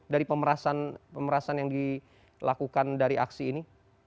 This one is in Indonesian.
dari pemerasan yang dilakukan dari aksi ini